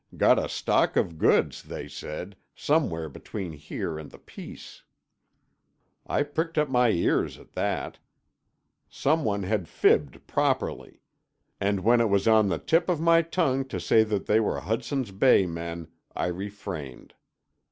Got a stock of goods, they said, somewhere between here and the Peace." I pricked up my ears at that. Someone had fibbed properly. And when it was on the tip of my tongue to say that they were Hudson's Bay men, I refrained.